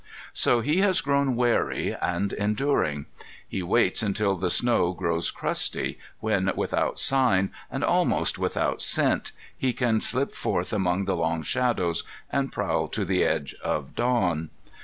So he has grown wary and enduring. He waits until the snow grows crusty, when without sign, and almost without scent, he can slip forth among the long shadows and prowl to the edge of dawn.